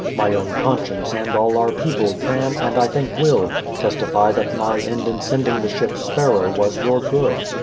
My own conscience and all our people can, and I think will, testify that my end in sending the ship Sparrow was your good.